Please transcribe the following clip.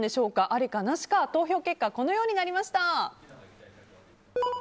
ありかなしか投票結果このようになりました。